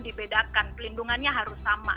dibedakan pelindungannya harus sama